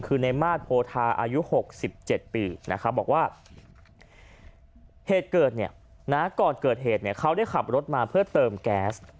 คือนายบ้าอายุหก๑๗ปีบอกว่าก่อนเกิดเหตุเขาได้ขับรถมาเพื่อเติมแก๊ส